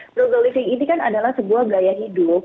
frugal living itu kan adalah sebuah gaya hidup